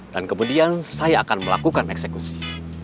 dan kemudian saya akan melakukan eksekusi